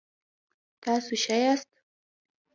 تاسو ښه یاست؟